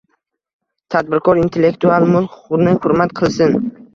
Tadbirkor intellektual mulk huquqini hurmat qilsin